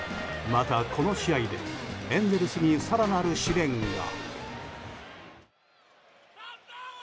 また、この試合でエンゼルスに更なる試練が。